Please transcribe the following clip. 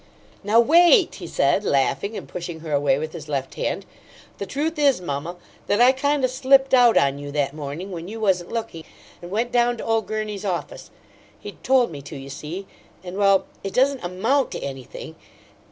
"Now wait!" he said, laughing and pushing her away with his left hand. "The truth is, mamma, that I kind o' slipped out on you that morning, when you wasn't lookin', and went down to ole Gurney's office he'd told me to, you see and, well, it doesn't AMOUNT to anything."